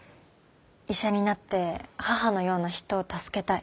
医者になって母のような人を助けたい。